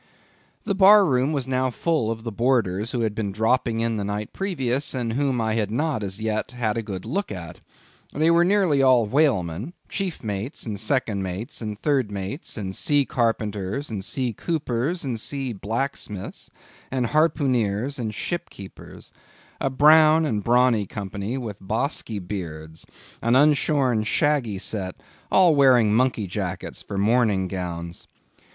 The bar room was now full of the boarders who had been dropping in the night previous, and whom I had not as yet had a good look at. They were nearly all whalemen; chief mates, and second mates, and third mates, and sea carpenters, and sea coopers, and sea blacksmiths, and harpooneers, and ship keepers; a brown and brawny company, with bosky beards; an unshorn, shaggy set, all wearing monkey jackets for morning gowns.